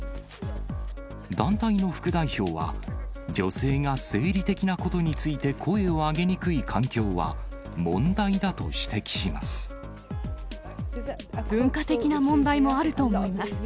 団体の副代表は、女性が生理的なことについて声を上げにくい環境は、問題だと指摘文化的な問題もあると思います。